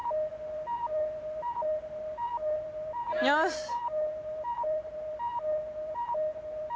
よし。